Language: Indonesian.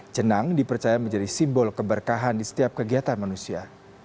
jenang dipercaya menjadi simbol keberkahan di setiap kegiatan manusia